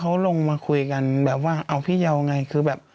ก็ลงมาคุยกันแบบว่าเอาพี่เยาว์ไงคือแบบ